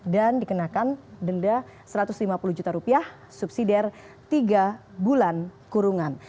dan dikenakan denda satu ratus lima puluh juta rupiah subsidi tiga bulan kurungan